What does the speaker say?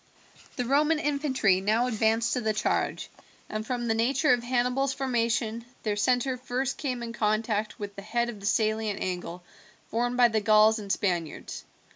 The Roman infantry now advanced to the charge, and from the nature of Hannibal's formation their centre first came in contact with the head of the salient angle formed by the Gauls and Spaniards.